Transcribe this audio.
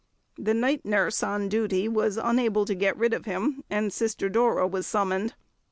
The night nurse on duty was unable to get rid of him, and Sister Dora was summoned.